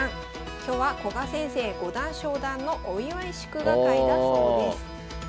今日は古賀先生五段昇段のお祝い祝賀会だそうです。